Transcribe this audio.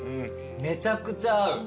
めちゃくちゃ合う。